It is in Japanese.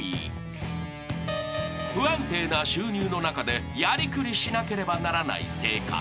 ［不安定な収入の中でやりくりしなければならない生活］